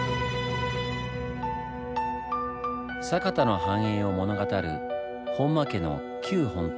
酒田の繁栄を物語る本間家の旧本邸。